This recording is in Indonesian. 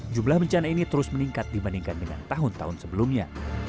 jumlah bencana ini terus meningkat dibandingkan dengan tahun tahun sebelumnya